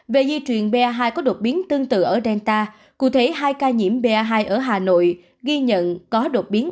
về di truyền ba hai có đột biến tương tự ở delta cụ thể hai ca nhiễm ba hai ở hà nội ghi nhận có đột biến